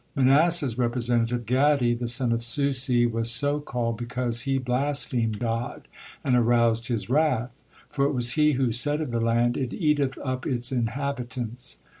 Manasseh's representative, Gaddi, the son of Susi, was so called because he blasphemed God and aroused His wrath; for it was he who said of the land, "it eateth up its inhabitants."